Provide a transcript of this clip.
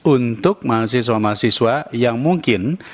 untuk mahasiswa mahasiswa yang mungkin